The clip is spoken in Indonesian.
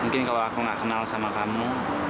mungkin kalau aku nggak kenal sama kamu